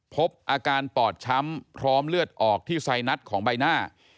พบอาการปอดช้ำพร้อมเลือดออกที่ไซนัสของใบหน้า